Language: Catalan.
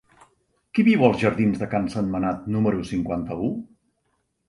Qui viu als jardins de Can Sentmenat número cinquanta-u?